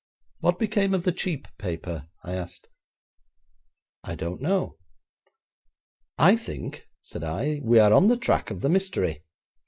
'What became of the cheap paper?' I asked. 'I don't know.' 'I think,' said I, 'we are on the track of the mystery.